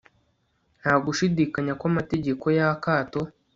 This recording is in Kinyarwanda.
Nta gushidikanya ko amategeko yakato